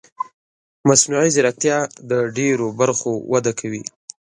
مصنوعي ځیرکتیا د ډېرو برخو وده کوي.